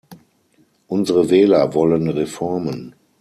Unsere Wähler wollen Reformen.